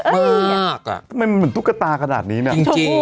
มันเหมือนลูกกาตารณ์ขนาดนี้เนี่ย